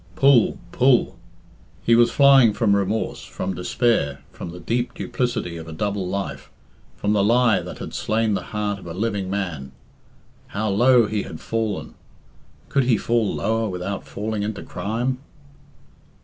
Pull, pull! He was flying from remorse, from despair, from the deep duplicity of a double life, from the lie that had slain the heart of a living man. How low he had fallen! Could he fall lower without falling into crime?